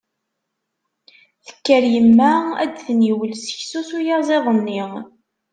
Tekker yemma ad d-tniwel seksu s uyaziḍ-nni.